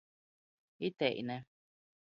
Iteine.